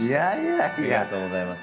ありがとうございます。